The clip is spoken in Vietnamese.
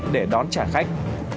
để đón trả khách